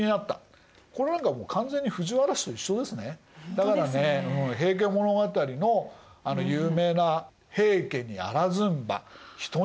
だからね「平家物語」のあの有名な「平家にあらずんば人にあらず」。